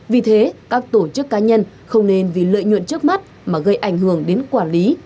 vì thế các tổ chức cá nhân không nên vì lợi nhuận trước mắt mà gây ảnh hưởng đến quản lý